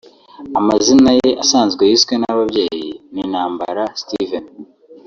Amazina ye asanzwe yiswe n'ababyeyi ni Ntambara Steven